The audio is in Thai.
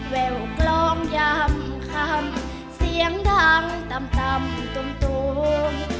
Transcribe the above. แววกล้องย่ำคำเสียงดังต่ำต่ำตุ่มตุ่ม